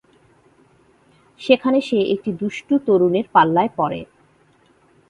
সেখানে সে একটি দুষ্টু তরুণের পাল্লায় পড়ে।